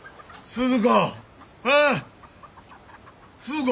スズ子！